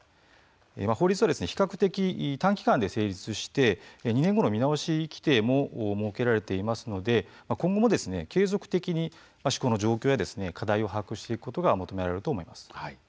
法律は比較的、短期間で成立して、２年後の見直し規定も設けられていますので今後継続的に状況や課題を把握していくことが求められると思います。